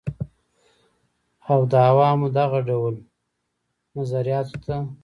او د عوامو دغه ډول نظریاتو ته